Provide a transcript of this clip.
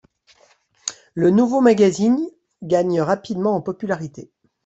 Le nouveau magazine gagne rapidement en popularité.